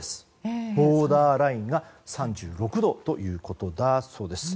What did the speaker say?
ボーダーラインが３６度ということだそうです。